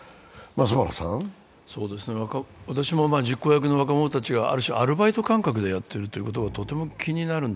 私も実行役の若者たちがアルバイト感覚でやっていることがとても気になるんです。